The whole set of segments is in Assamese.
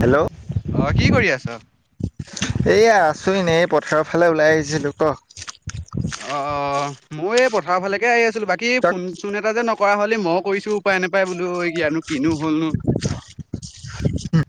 হেল্ল', অ', কি কৰি আছ এইয়া আছো এনেই এই পথাৰৰ ফালে ওলাই আহিছিলো ক অ', ময় এই পথাৰ ফালেকে আহি আছিলো বাকী তই ফোন চোন এটা যে নকৰা হলি মইও কৰিছো উপ, উপায় নাপায় বোলো ইয়ানো কিনো হ'লনো উ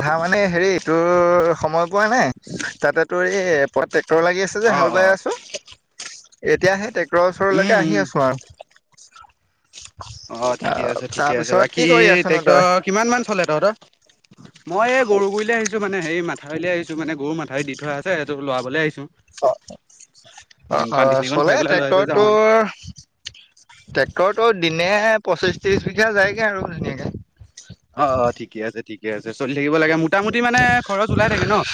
ধা মানে হেৰি তোৰ সময় পোৱা নাই তাতে তোৰ এই প ট্ৰেক্টৰ লাগি আছে যে অ', হাল বাই অ'। আছো। এতিয়া সেই টেক্টৰৰ উম, ওচৰলৈকে আহি উম, আছো আৰু। অ', ঠিকে আহ আছে, ঠিকে আছে, তাৰপিছত কি বাকী কৰি আছনো ট্ৰেক্টৰ তই কিমান মান চলে তহঁতৰ মই এই গৰু গুৰিলে আহিছো মানে মথাউৰিলে আহিছো মানে গৰু মাথাউৰি দি থ আছে সেইটো লৰাবলে আহিছো অ', চানীকণ চলে খুৱাই পেলাই লৈ থৈ ট্ৰেক্টৰ যাওঁ আৰু। টোৰ ট্ৰেক্টৰতো দিনে পঁচিশ ত্ৰিশ বিঘা যায়গে আৰু ধুনীয়াকে অ', অ', ঠিকে আছে ঠিকে আছে চলি থাকিব লাগে মোটামুটি মানে খৰচ ওলাই থাকে ন'।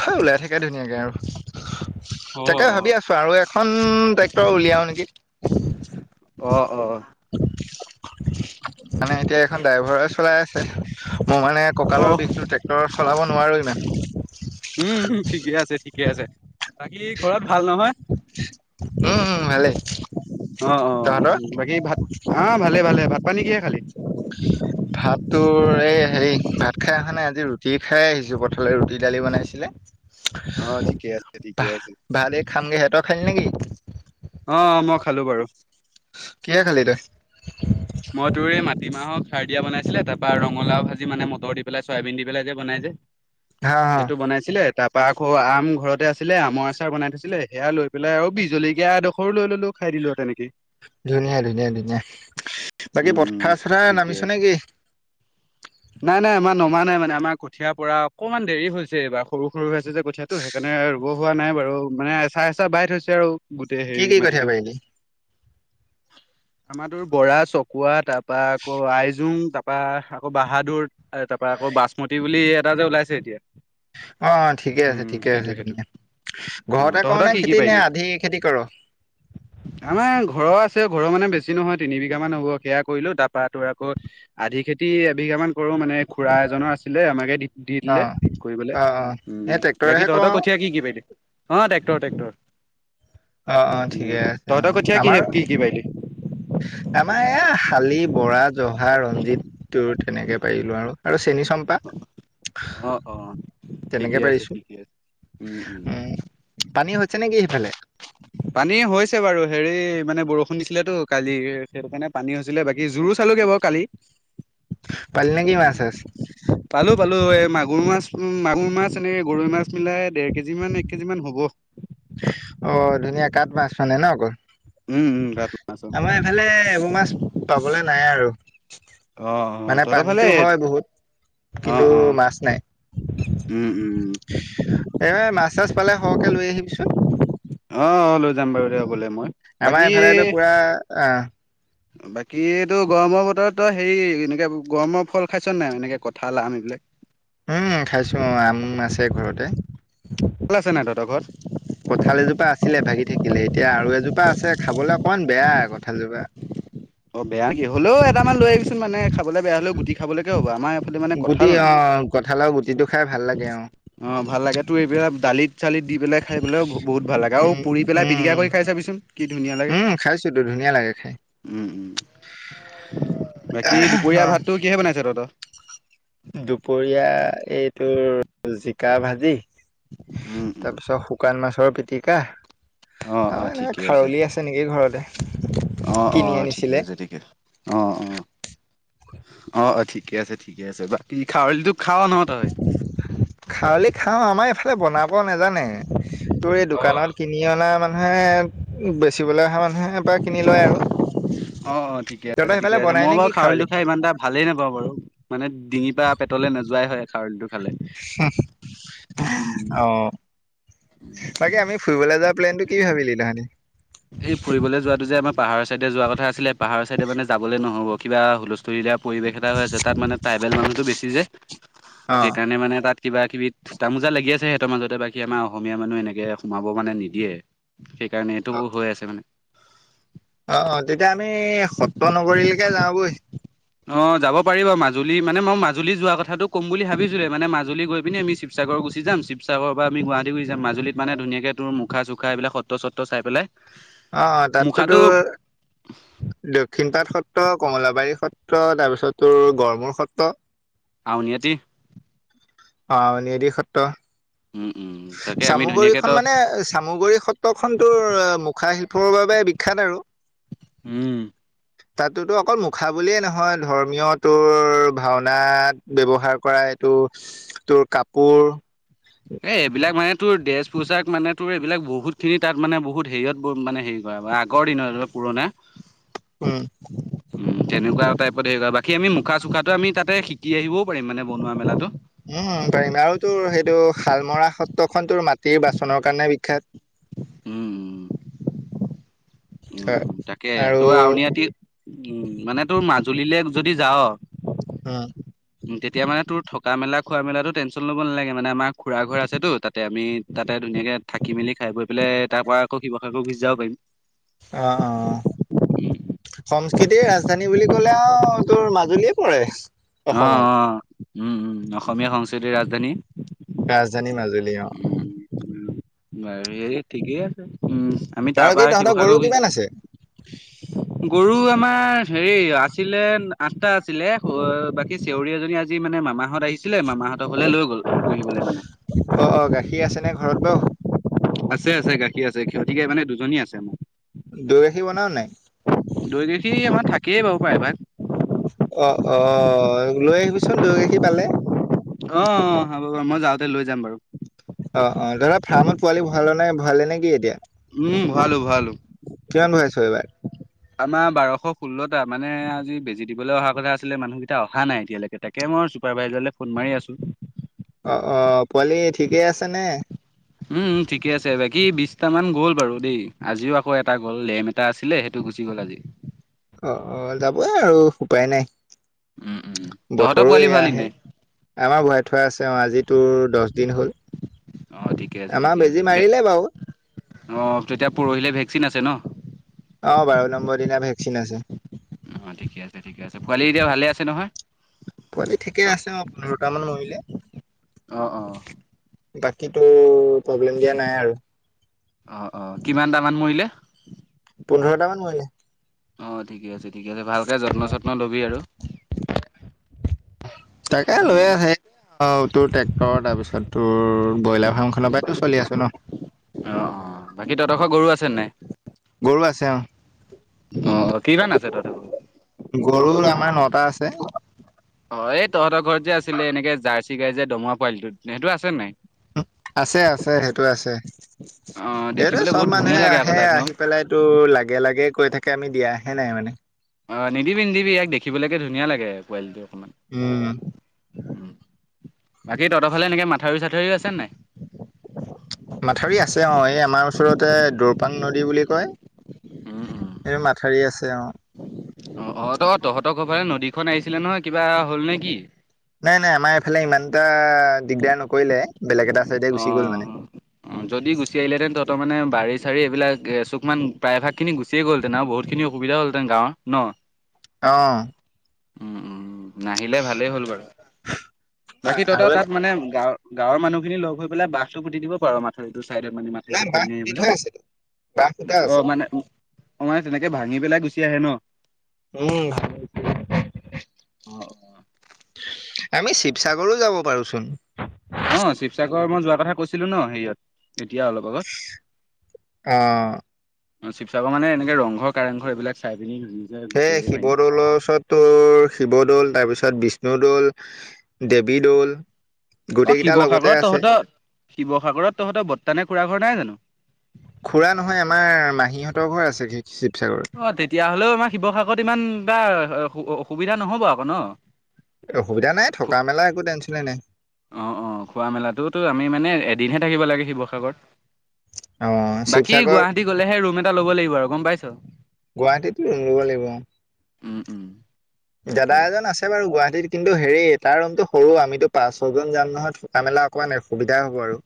হয় ওলাই থাকে ধুনীয়াকে আৰু অ', তাকে ভাবি অ', আছো আৰু এখন ট্ৰেক্টৰ উলিয়াও নেকি অ', অ',। মানে এতিয়া এখন ড্ৰাইভাৰে চলাই আছে মই মানে অ কঁকালৰ বিষটো ট্ৰেক্টৰ চলাব নোৱাৰোঁ উম, ইমান ঠিকে আছে ঠিকে আছে বাকী ঘৰত ভাল নহয় উম উম ভালে অ', অ', বাকী ভাত হা ভালে ভালে, ভাত পানী কিহে খালি? ভাত তোৰ এই হে ভাত খাই অহা নাই আজি ৰুটি খাই আহিছো পথাৰলৈ ৰুটি দালি বনাইছিলে অ ঠিকে আছে ঠিকে ভ আছে ভালেই খামগে তই খালি নেকি? অ', মই খালো বাৰু। কিহে খালি তই মই তোৰ এই মাটিমাহৰ খাৰ দিয়া বনাইছিলে তাৰপা ৰঙালাও ভাজি মানে মটৰ দি পেলাই চয়াবিন দি পেলাই যে বনাই যে হা হা সেইটো বনাইছিলে তাৰপা আকৌ আম ঘৰতে আছিলে আমৰ আচাৰ বনাই থৈছিলে সেয়া লৈ পেলাই আৰু বিহজলকীয়া এডোখৰো লৈ ললো খাই দিলো আ তেনেকে। ধুনীয়া ধুনীয়া ধুনীয়া বাকী, উম উম পথাৰ চথাৰ ঠিকে নামিছ আছে নে কি? নাই, নাই আমাৰ নমা নাই মানে আমাৰ কঠিয়াৰ পৰা অকমান দেৰি হৈছে এইবাৰ সৰু সৰু হৈ আছে যে কঠীয়াতো সেইকাৰণে মানে ৰুব হোৱা নাই বাৰু মানে এচাহ এচাহ বাই থৈছে আৰু। গোটেই কি হেৰি কি কঠীয়া মাটিটো পাৰিলি? আমাৰ তো বৰা চকুৱা তাৰপা আকৌ আইজোং তাৰপা আকৌ বাহাদুৰ তাৰপা আকৌ বাচমতী বুলি এটা যে ওলাইছে এতিয়া অ', অ', ঠিকে আছে উম ঠিকে সেইটো আছে সেইটো ধুনীয়া অ ঘৰতে কৰ তহঁতৰ নে কি কি খেতি নে পাৰিলি আধি খেতি কৰ'। আমাৰ ঘৰত আছে ঘৰৰ মানে বেছি নহয় তিন বিঘা মান হ'ব সেয়া কৰিলো তাৰপৰা তোৰ আকৌ আধি খেতি প্ৰতি এবিঘা মান কৰো মানে খুৰা এজনৰ আছিলে আমাকে দি অ দিলে কৰিবলৈ। অ অ এই উম, ট্ৰেক্টৰেহে বাকী কৰো তহতৰ আৰু। কঠিয়া কি কি পাৰিলি অ টেক্টৰ, টেক্টৰ অ অ উ, ঠিকে আছে অ তহতৰ কঠিয়া আমাৰ কিহে কি কি পাৰিলি আমাৰ এ শালি বৰা জহা ৰঞ্জিত তোৰ তেনেকে পাৰিলো আৰু চেনী চাম্পা অ'- অ' ঠিকেই আছে- ঠিকে আছে, উম- উম। পানী হৈছে নেকি সেইফালে পানী হৈছে বাৰু হেৰি মানে বৰষুণ দিছিলেতো কালি সেইটো কাৰণে পানী হৈছিলে বাকী যোৰ চ পালি নেকি মাছ চাছ [unintelligible] উম মাগুৰ মাছ এনেকে গৰৈ মাছ মিলাই দেৰ কেজি মান এক কেজি মান হ'ব অ' ধুনীয়া কাঠ মাছ মানে ন অকল। উম উম কাঠ মাছ অ আমাৰ এইফালে এবোৰ মাছ পাবলে নাই আৰু অ অ মানে তহঁতৰ ফালে পানীটো হয় বহুত। অ কিন্তু অ মাছ নাই। উম উম এ মাছ চাছ পালে সৰহকে লৈ আহিবিচোন। অ অ লৈ যাম বাৰু দে গলে মই আমাৰ এইফালেটো পুৰা অ'। বাকী এইটো গৰমৰ বতৰত তই হেৰি এনেকে গৰমৰ ফল খাইছ নাই এনেকে কঠাল আম [inaudible] উম, খাইছো অ' আম আছে ঘৰতে। কঁঠাল আছে নাই তহঁতৰ ঘৰত কঠাল এজোপা আছিলে ভাগি থাকি [unintelligible] এতিয়া আৰু এজোপা আছে খাবলে অকমান বেয়া কঁঠালজোপা। অ' বেয়া কি হ'লেও এটা মান লৈ আহিবিচোন মানে। খাবলৈ বেয়া হলেও গুটি খাবলৈকে হ'ব আমাৰ এইফালে মানে গুটি কঠাল নাই অ কঁঠালৰ গুটিটো খাই ভাল লাগে অ ভাল লাগে তো এইবিলাক দালিত চালিত দি পেলাই খাই পেলাইও বহুত ভাল লাগে আৰু উম পুৰি পেলাই উম পিটিকা কৰি খাই চাবিচোন কি ধুনীয়া লাগে উম খাইছোতো ধুনীয়া লাগে খাই উম- উম বাকী দুপৰীয়া ভাতটো কিহে বনাইছে তহতৰ। দুপৰীয়া এই তোৰ জিকা ভাজি। উম উম তাৰপিছত শুকান মাছৰ পিটিকা অ' এনেকে খাৰলি আছে নেকি ঘৰতে। কিনি অ'-অ' ঠিকে আনিছিলে। আছে থিকে, অ'-অ'। অ'- অ' ঠিকে আছে ঠিকে- আছে বাকী খাৰলিটো খাৱ ন তই খাৰলি খাওঁ, আমাই বনাব নাজানে, তোৰ এই দোকানত কিনি অনা মানে মানুহে বেচিবলে অহা মানুহৰ পৰা কিনি লয় আৰু। অ'- অ' ঠিকে তহঁতৰ আছে- ঠিকে সেইফালে আছে বনাই মই নে বাৰু কি খাৰলি? খাৰলিটো খাই ইমান এটা ভালেই নাপাওঁ বাৰু মানে ডিঙিৰ পৰা পেটত লে নোযোৱাই হয় খাৰলিটো খালে উম অ' বাকী আমি ফুৰিবলৈ যোৱা প্লেনটো কি ভাবিলি তহঁতি। স ফুৰিবলৈ যোৱাটো যে আমাৰ পাহাৰৰ চাইডে যোৱা কথা আছিলে পাহাৰৰ চাইডে মানে যাবলে নহ'ব কিবা হুলস্থুলী দিয়া পৰিৱেশ এটা হৈ আছে তাত মানে ট্ৰাইবেল মানুহতটো বেছি যে অ' সেইকাৰণে মানে তাত কিবা কিবি থুটা মোজা লাগি আছে সিহঁতৰ মাজতে বাকি আমাৰ অসমীয়া মানুহ এনেকে সোমাব মানে নিদিয়ে। সেইকাৰণে এইটো হৈ আছে মানে অ'- অ', তেতিয়া আমি সত্ৰ নগৰীলেকে যাওঁ বৈ। অ' যাব পাৰিব মাজুলী মানে মই মাজুলী যোৱা কথাটো ক'ম বুলি ভাবিছিলো মানে মাজুল গৈ পিনি আমি শিৱ চা শিৱসাগৰ গুচি যাম, শিৱসাগৰ পা আমি গুৱাহাটী গুচি যাম, মাজুলীত মানে ধুনিয়াকে তোৰ মুখা চুখা এইবিলক সত্ৰ চত্ৰ চাই পেলাই। অ' তাতটোতো মুখাটো দক্ষিণপাট সত্ৰ কমলাবাৰী সত্ৰ সত্ৰ তাৰপিছত তোৰ গৰমৰ সত্ৰ আউনি আটি। অ'নিদি সত্ৰ। উম উম তাকে আমি চামুগৰি ধুনীয়াকে খন তই মানে চামুগৰি সত্ৰ খন তোৰ মুখা শিল [unintelligible] বাবে বিখ্যাত আৰু। উম, তাতোতো অকল মুখা বুলিয়ে নহয় ধৰ্মীয় তোৰ ভাওনাত ব্যৱহাৰ কৰাই টো তোৰ কাপোৰ এ এইবিলাক মানে তোৰ ড্ৰেছ পোছাক মানে তোৰ এইবিলাক বহুত খিনি তাত মানে বহুত হেৰিত মানে হেৰি কৰে আগৰ দিনত পুৰনা উম। উম, তেনেকুৱা টাইপত হেৰি বাকী আমি মুখা চুখা আমি তাতে শিকি আহিবও পাৰিম মানে বনোৱা মেলাতো। উম, ফ্ৰিজ পাৰিম আৰু তোৰ সেইটো শালমৰা সত্ৰখন তোৰ মাটিৰ বাচনৰ কাৰণে বিখ্যাত। উম, উম উম তাকে আৰু তোৰ আউনীআটি উম, মানে তোৰ মাজুলীলৈ যদি যাও হোম উম, তেতিয়া মানে তোৰ থকা মেলা খোৱা মেলাতো টেনশ্যন ল'ব নালাগে। মানে আমাৰ খুৰা ঘৰ আছেতো তাতে আমি তাতে ধুনীয়াকে থাকি মেলিাই পেলাই তাৰ পৰা আকৌ শিৱসাগৰৰত ঘুচি যাব পাৰিম। অ অ সংস্কৃতিৰ ৰাজধানী বুলি ক'লে আও তোৰ মাজুলী পৰে। অ', অসমত। অ', উম-উম অসমীয়া সংস্কৃতিৰ ৰাজধানী। ৰাজধানী মাজুলী অ' বাৰু হেৰি ঠিকেই আছে। উম, আমি তাৰ বাৰু কি পৰা তহঁতৰ গৰু শিৱসাগৰ গুচি কিমান আছে? গৰু আমাৰ হেৰি আছিলে আঠটা আছিলে। বাকী চেউৰি এজনী আজি মানে মামাহঁত আহিছিলে। মামাহ তাহাঁত ঘৰলৈ লৈ গ'ল। মানে অ' অ' গাখীৰ আছেনে ঘৰত বাও আছে, আছে গাখীৰ আছে। সিয়তি গাই মানে দুজনী আছে মোৰ। দৈ গাখীৰ বনাও নে নাই। কি বাবু পাই ভাত। অ, অ'। লৈ আহিবিচোন দৈ গাখীৰ পালে অ, অ, হ'ব বাৰু মই যাওঁতে লৈ যাম বাৰু। অ, অ' দাদা ফাৰ্মত পোৱালি ভঁৰালে নে কি এতিয়া। উম ভৰালো, ভৰালো। থৈবা। আমাৰ বাৰশ ষোল্লটা মানে আজি বেজী দিবলে অহাৰ কথা আছিল, মানুহকেইটা অহা নাই এতিয়ালৈকে তাকে। চুপাৰ ভাইজাৰলে ফোন মাৰি আছো। অ' অ' পোৱালি ঠিকেই আছেনে। উম ঠিকে আছে বাকী বিশটামান গ'ল বাৰু দেই আজিও আকৌ এটা গ'ল লেম এটা আছিলে সেইটো গুচি গ'ল আজি। অ' অ' যাবই আৰু উপায় নাই। উম উম তহঁতৰ বতৰো পোৱালি এয়া ভৰালি আহে নাই আমাৰ ভৰাই থোৱা আছে অ' আজিতো দহ দিন হ'ল অঁ আমাৰ বেজি মাৰিলে বাও অ, তেতিয়া পৰহিলে ভেকচিন আছে ন'। অ বাৰু নম্বৰ দিনা ভেকচিন আছে। অ' ঠিকে আছে ঠিকে আছে পোৱালি এতিয়া ভালে আছে নহয়। পোন্ধৰটামান মৰিলে। অ' অ'। বাকীতো প্ৰব্লেম দিয়া নাই আৰু। অ' অ কিমান দামান মৰিলে। পোন্ধৰটা মান মৰিলে অ ঠিকে আছে ঠিকে আছে ভালকে যত্ন চত্ন লবি আৰু তাকে লৈ উম আহে তোৰ ট্ৰেক্টৰৰ তাৰপিছত তোৰ ব্ৰইলাৰ ফাৰ্ম খনৰ পৰাতো চলি আছো ন'। অঁ অঁ বাকী তহতৰ ঘৰত গৰু আছে নে নাই গৰু আছে অ'। অঁ অঁ কিমান আছে তহঁতৰ ঘৰত গৰুৰ আমাৰ নটা আছে। অ', এই তহঁতৰ ঘৰত যে আছিলে এনেকে জাৰ্চি গাই যে দমুৰা পোৱালিটো সেইটো আছে নে নাই। আছে - আছে সেইটো আছে। অঁ এইটো দেখিবলৈ চব বহুত ধুনীয়া মানুহে লাগে আকৌ আহে তাক ন আহি পেলাইতো লাগে লাগে কৈ থাকে আমি দিয়াহে নাই মানে অ, নিদিবি - নিদিবি ইয়াক দেখিবলৈকে ধুনীয়া লাগে পোৱালিটোক অকন। উম। উম বাকী তহঁতৰ ফালে এনেকে মাথাউৰি চাথউৰি আছে নে নাই? মাথাউৰি আছে অ', এই আমাৰ ওচৰতে দৌৰপান নদী বুলি কয়। এই মাথাউৰি আছে অ'। অ', অ', তহঁতক তহঁতৰ ও পাৰে নদীখন আহিছিলে নহয় কিবা হ'ল নেকি? নাই নাই আমাৰ এইফালে ইমানটা। দিগদাৰ নকৰিলে বেলেগ এটা চাইডে গুচি গল অ' মানে। তাৰমান বাৰী চাৰী এইবিলাক চুক মান প্ৰায়ভাগ খিনি গুচিয়ে গ'ল তেনেহলে বহুতখিনি অসুবিধা হ'লতেন গাৱত ন। অ'। উম উম নাহিলে ভালেই হ'ল বাৰু বাকী আৰু তহঁতৰ এটা গাৱ -গাৱৰ মানুহ খিনি লগ হৈ পেলাই বাসটো পুতি দিব পাৰা মাথাউৰিত। এইতা মানে মাটিটো ক্ষয় বাঁহ নাই পুতি এইবিলাক থোৱা আছে বাঁহ ফুটা অ, আছে মানে উ, অ', মানে তেনেকে ভাঙি পেলাই গুচি আহে ন'। উম অ' অ' [unintelligible] আমি শিৱসাগৰো যাব পাৰোচোন। অ', শিৱসাগৰত মই যোৱা কথা কৈছিলো ন' সেইয়া এতিয়া অলপ আগত অ', শিৱসাগৰানে এনেকে ৰংঘৰ, কাৰেংঘৰ এইবিলাক চাই পিনি ধুনীয়াকে গুচি হেই আহিব পাৰিম শিৱদ'লৰ ওচৰতো শিৱদ'ল তাৰপিছত বিশ শিৱদৌল, দেৱীদৌল। অ', শিৱসাগৰত তহঁতৰ শিৱসাগৰত তহঁতৰ বৰ্ত্তা নে খুৰা ঘৰ নাই জানো? খুৰা নহয় আমাৰ মাহীহঁতৰ ঘৰ আছে গে। অ, তেতিয়া হলেও আমাৰ শিৱসাগৰত ইমান এটা সু - সুবিধা নহব আকৌ ন। অসুবিধা নাই থকা -মেলা একো টেনচনে নাই। অ- অ খোৱা মেলাটো টো আমি মানে এদিনহে থাকিব লাগে শিৱসাগৰ। অ বাকী শিৱসাগৰ গুৱাহাটী গলেহে ৰুম এটা ল'ব লাগিব আৰু গম পাইছোঁ গুৱাহাটীত ৰুম নিব লাগিব অ'। উম উম। দাদা তাকে এজন আছে বাৰু গুৱাহাটীত কিন্তু হেৰি তাৰ ৰুমটো। সৰু আমিতো পাঁচ ছজন যাম নহয় থকা মেলা অকণমান অসুবিধাই হ'ব আৰু।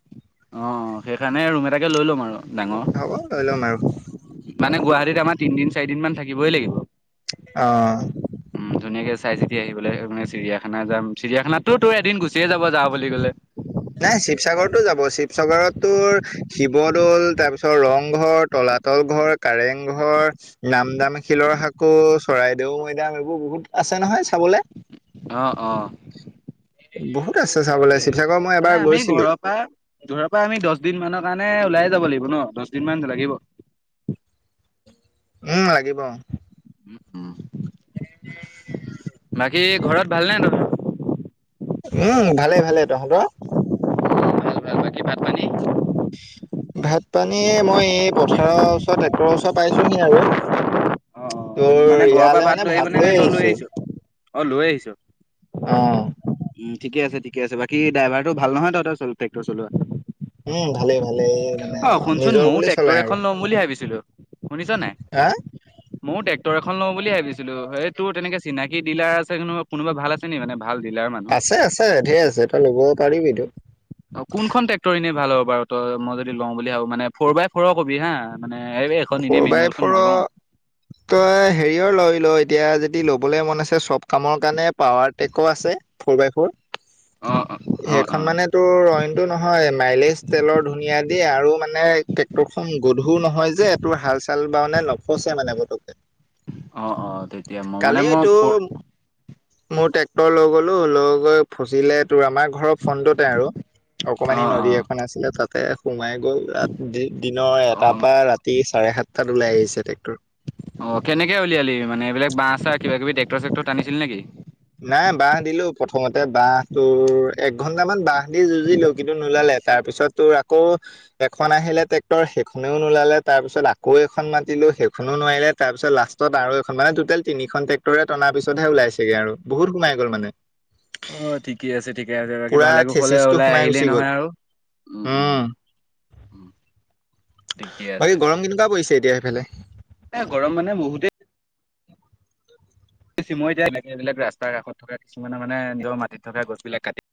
অ', সেইকাৰণে ৰুম এটাকে লৈ ল'ম আৰু ডাঙৰ, হ'ব লৈ ল'ম আৰু মানে গুৱাহাটীত আমাৰ তিনদিন চাৰিদিন মান থাকিবই লাগিব। অ'। উম, ধুনীয়াকে চাই চিতি আহিব লাগিব চিৰিয়াখানা যাম চিৰিয়াখানাতো টো এদিন গুচ সি ও যাব যাওঁ বুলি ক'লে সি ও যাব শিৱসাগৰতো শিৱদ'ল তাৰপিছত ৰংঘৰ, তলাতল ঘৰ, কাৰেং কাৰেং ঘৰ, নামদাং শিলৰ সাঁকো, চৰাইদেউ মৈদাম এইবোৰ বহুত আছে নহয়। চাবলে অ- অ। বু [unintelligible] তাকে এতিয়া মানে আমি ঘৰৰ পৰা দূৰৰ পৰা আমি দশ দুদিন মানৰ কাৰণে ওলাই যাব লাগিব ন দহ দিন মান লাগিব। উম লাগিব। উম, বাকী ঘৰত ভালনে? উম ভালে ভালে তহঁতৰ। ভাল, ভাল, বাকী, ভাত পানী? ভাত পানী, মই এই পথাৰৰ ওচৰত ট্ৰেক্টৰৰ ওচৰত পাইছোহি আৰু। অ', অ', তোৰ, মানে ঘৰৰ পৰা ইয়ালৈ মানে আহিব নে ভাত নে লৈ তই আহিছো। আহিছ? অ', লৈ আহিছোঁ। আহ। উম, ঠিকে আছে, ঠিক আছে। বাকী ড্ৰাইভাৰটো ভাল নহয়, তহঁতৰ চ' ট্ৰেক্টৰ চলোৱাত। উম ভালেই ভালেই মানে আহ শুনচোন নিজৰ ময়ও বুলি ট্ৰেক্টৰ চলাই আৰু এখন লম বুলি ভাবিছিলো। শুনিছ নাই, হা ময়ো ট্ৰেক্টৰ এখন লওঁ বুলি ভাবিছিলো, হেই তোৰ তেনেকে চিনাকি। কি ডিলাৰছে কোনোবানোবা ভাল আছে মানে। ভাল ডিলাৰ মানুহ আছে, আছে, ধেৰ আছে। তই ল'ব পাৰিবিটো? অ', কোনখন ট্ৰেক্টৰ এনেই ভাল হব বাৰু। ত' মই যদি লওঁ বুলি ভাবো মানে, ফ'ৰ বাই ফ'ৰ কবি হা মানে। এইখন এনেই ফ'ৰ বাই মেনুৱেলখন ফৰ নলওঁ তই হেৰিৰ লয়। লৈ, এতিয়া যদি ল'বলে মন আছে চব কামৰ কাৰণে পাৱাৰ টে'কো আছে ফ'ৰ বাই ফ'ৰ। অ'। অ অ সেইখন মানে, তোৰ অইনটো নহয়। মাইলেজ তেলৰ ধুনীয়া দি, আৰু মানে। [unintelligible] খন গধুৰ নহয় যে, এইটো হাল চাল বাৱনে নফচে মানে পটকে। অ, অ, তেতিয়া মই মানে মই। তোৰ মোৰ ট্ৰেক্টৰ লৈ গ'লো, লৈ গৈ ফচিলে। তোৰ, আমাৰ ঘৰৰ ফোনটোতে আৰু। অ অকমানি অ নদী এখন আছিলে, তাতে সোমাই। গৈ [unintelligible] দিনৰ এটাৰ পৰা ৰাতি। চাৰে সাতটাত ওলাই আহিছে ট্ৰেক্টৰ [unintelligible] অহ, কেনেকে উলিয়ালিব মানে এইবিলাক বাহ। চাহ কিবা কিবি, ডেক্তৰ চেক্তৰ টানিছিল নেকি। নাই বাহ দিলো প্ৰথমতে, বাহ তোৰ এক ঘন্টামান বাহ দি যুঁজিলো কিন্তু নোলালে। তাৰপিছত, তোৰ আকৌ এখন আহিলে ট্ৰেক্টৰ সেইখনেও নোলালে। তাৰপিছত, আকৌ এখন মাত ছিলো সেইখনো নোৱাৰিলে তাৰ পিছত লাষ্টত আৰু এখন মানে টোটেল তিনিখন টেক্টৰে টানৰ পিছতহে ওলাইছেগে। আৰু বহুত সোমাই গ'ল মানে। অ ঠিকেই আছে। ঠিকে আছে, বাকী পুৰা ভালে কোশলে থেচিচটো ওলাই সোমাই আহিলেই গুচি গ'ল নহয় আৰু উ, উম। উম। ঠিকে আছে বাকী গৰম কেনেকুৱা পৰিছে, এতিয়া সেইফালে? এ গৰম মানে বহুতেই। চিমৰি দিয়া, বেলেগ বেলেগ ৰাস্তাৰ কাষত থকা। কিছুমানৰ মানে, নিজৰ মাটিত থকা গছ বিলাক কাটি